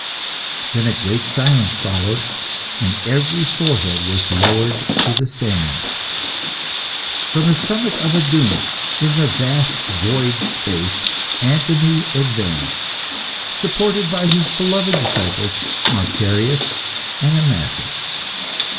Then a great silence followed, and every forehead was lowered to the sand. From the summit of a dune, in the vast void space, Anthony advanced, supported by his beloved disciples, Macarius and Amathas.